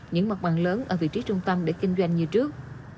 những mặt bằng lớn ở vị trí trung tâm để kinh doanh như trước